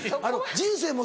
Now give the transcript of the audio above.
人生も？